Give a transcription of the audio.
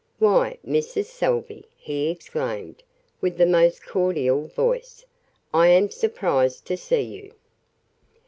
"Why, Mrs. Salvey!" he exclaimed, with the most cordial voice. "I am surprised to see you!"